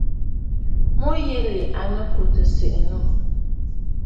Mu yìli à nɨ kù tɨ̀ sìʼì nû.